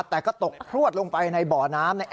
แต่ก็ตกพลวดลงไปในบ่อน้ำ